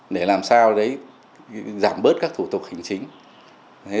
để làm sao để giảm bớt các thủ tục hành chính